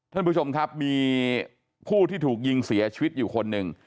ท่านผู้ชมครับมีผู้ที่ถูกยิงเสียชีวิตอยู่คนหนึ่ง